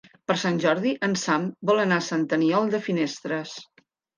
Per Sant Jordi en Sam vol anar a Sant Aniol de Finestres.